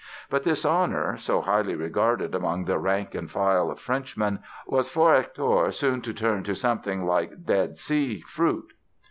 But this honor, so highly regarded among the rank and file of Frenchmen, was for Hector soon to turn to something like Dead Sea fruit.